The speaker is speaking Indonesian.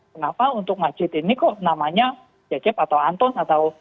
kenapa untuk masjid ini kok namanya cecep atau anton atau